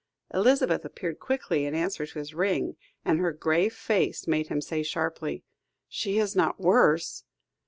Elizabeth appeared quickly in answer to his ring, and her grave face made him say sharply "She is not worse?"